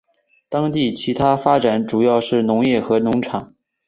当地其它发展主要是农业和农场。